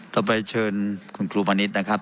ต่อไปเชิญคุณครูมณิษฐ์นะครับ